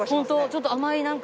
ちょっと甘いなんか。